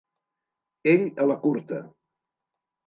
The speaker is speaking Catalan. Ell a la curta.